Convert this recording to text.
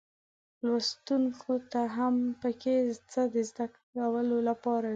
لوستونکو ته هم پکې څه د زده کولو لپاره وي.